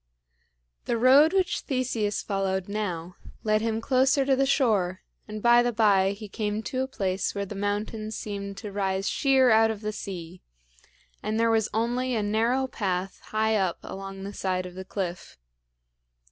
The road which Theseus followed now led him closer to the shore, and by and by he came to a place where the mountains seemed to rise sheer out of the sea, and there was only a, narrow path high up along the side of the cliff.